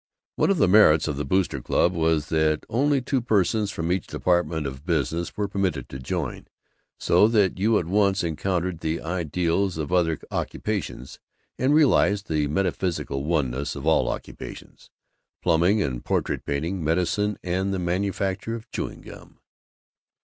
One of the merits of the Boosters' Club was that only two persons from each department of business were permitted to join, so that you at once encountered the Ideals of other occupations, and realized the metaphysical oneness of all occupations plumbing and portrait painting, medicine and the manufacture of chewing gum.